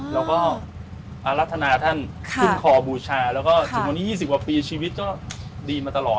แล้วก็อรัฐนาท่านขึ้นขอบูชาจนวันนี้๒๐บาทปีชีวิตก็ดีมาตลอด